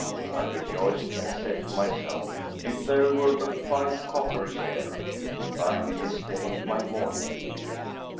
I rejoiced and said to myself, 'If there be but five coppers here, it will buy me this day my morning meal.'